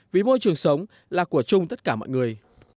vì môi trường sống là của chung tất cả mọi người